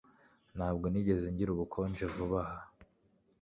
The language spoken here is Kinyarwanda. Ntabwo nigeze ngira ubukonje vuba aha